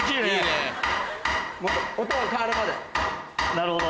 なるほど。